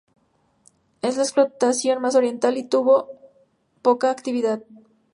Es la explotación más oriental y tuvo poca actividad.